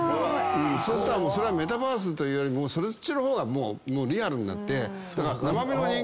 そしたらそれはメタバースというよりもそっちの方がリアルになって。